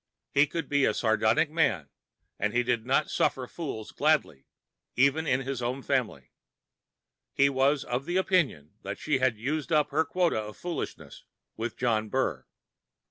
He could be a sardonic man and he did not suffer fools gladly, even in his own family. He was of the opinion that she had used up her quota of foolishness with John Burr.